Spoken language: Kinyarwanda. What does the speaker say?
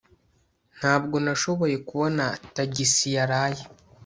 Ntabwo nashoboye kubona tagisi yaraye